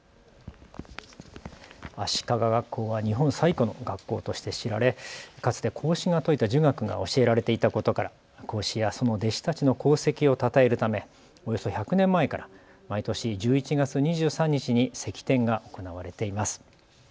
足利学校は日本最古の学校として知られ、かつて孔子が説いた儒学が教えられていたことから孔子やその弟子たちの功績をたたえるためおよそ１００年前から毎年１１月２３日に釋奠が行われています。